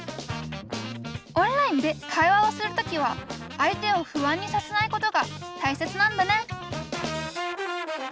オンラインで会話をする時は相手を不安にさせないことがたいせつなんだね